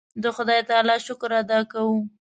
د خدای تعالی شکر ادا کوو.